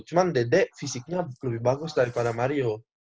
cuman dede fisiknya lebih bagus daripada mario